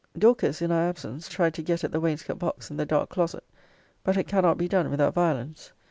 Dorcas, in our absence, tried to get at the wainscot box in the dark closet. But it cannot be done without violence.